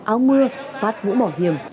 áo mưa phát ngũ bảo hiểm